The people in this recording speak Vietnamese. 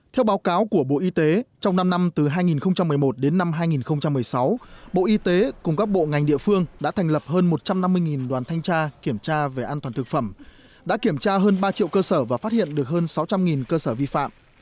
theo báo cáo của bộ y tế trong năm năm từ hai nghìn một mươi một đến năm hai nghìn một mươi sáu bộ y tế cùng các bộ ngành địa phương đã thành lập hơn một trăm năm mươi đoàn thanh tra kiểm tra về an toàn thực phẩm đã kiểm tra hơn ba triệu cơ sở và phát hiện được hơn sáu trăm linh cơ sở vi phạm